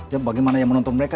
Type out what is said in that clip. jadi bagaimana ya menonton mereka